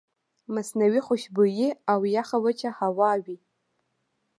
مصنوعي خوشبويئ او يخه وچه هوا وي